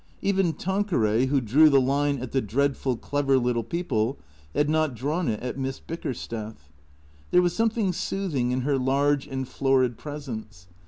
Even Tanqueray, who drew the line at the dreadful, clever little people, had not drawn it at Miss Bickersteth. There was something soothing in her large and florid presence.